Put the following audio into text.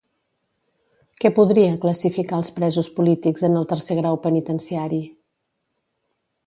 Què podria classificar els presos polítics en el tercer grau penitenciari?